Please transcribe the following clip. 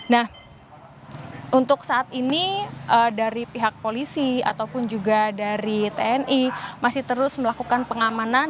nah untuk saat ini dari pihak polisi ataupun juga dari tni masih terus melakukan pengamanan